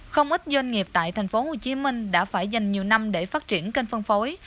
không ít doanh nghiệp tại thành phố hồ chí minh đã phải dành nhiều năm để phát triển kênh phân phối